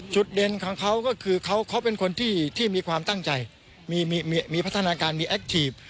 จุดเด่นของเขาก็คือเขาเป็นคนที่มีความตั้งใจมีพัฒนาการมีแอคทีฟ